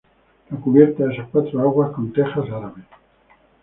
La cubierta es a cuatro aguas, con teja árabe.